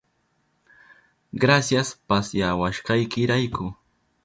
Grasias pasyawashkaykirayku.